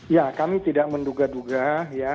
ya kami tidak menduga duga ya